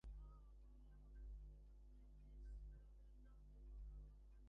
জন্মদিনে বিদ্রোহী কবির জন্মভিটা বর্ধমানের চুরুলিয়া গ্রামে শুরু হয়েছে নজরুল মেলা।